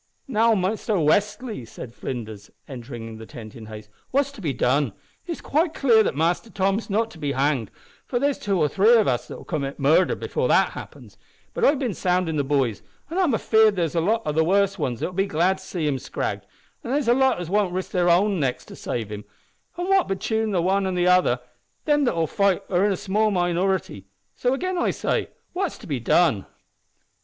"Now, Mister Westly," said Flinders, entering the tent in haste, "what's to be done? It's quite clear that Mister Tom's not to be hanged, for there's two or three of us'll commit murder before that happens; but I've bin soundin' the boys, an' I'm afeared there's a lot o' the worst wans that'll be glad to see him scragged, an' there's a lot as won't risk their own necks to save him, an' what betune the wan an' the other, them that'll fight for him are a small minority so, again I say, what's to be done?"